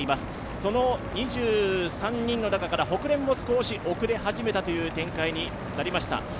その２３人の中からホクレンも少し遅れ始めた展開になりました。